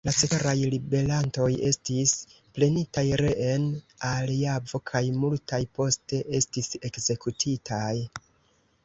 La ceteraj ribelantoj estis prenitaj reen al Javo kaj multaj poste estis ekzekutitaj.